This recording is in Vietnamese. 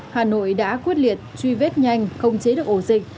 hà nội đã quyết liệt truy vết nhanh khống chế được ổ dịch